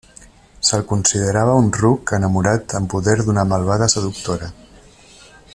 Se'l considerava un ruc enamorat en poder d'una malvada seductora.